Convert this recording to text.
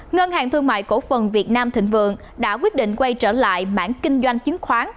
ngân hàng thương mại cổ phần việt nam thịnh vượng đã quyết định quay trở lại mảng kinh doanh chứng khoán